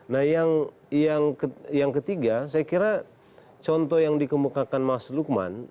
nah yang ketiga saya kira contoh yang dikemukakan mas lukman